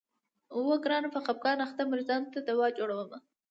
اوو ګرانه په خفګان اخته مريضانو ته دوا جوړومه.